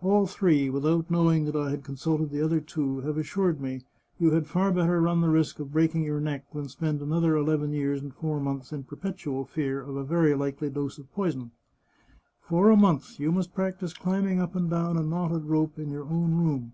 All three, without knowing that I had consulted the other two, have assured me you had far better run the risk of breaking your neck than spend another eleven years and four months in perpetual fear of a very likely dose of poison. " For a month you must practise climbing up and down a knotted rope in your own room.